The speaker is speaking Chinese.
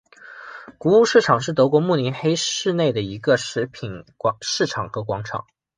谷物市场是德国慕尼黑市内一个食品市场和广场。